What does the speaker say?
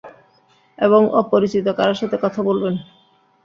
এবং অপরিচিত কারো সাথে কথা বলবেনা।